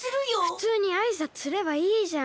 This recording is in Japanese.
ふつうにあいさつすればいいじゃん。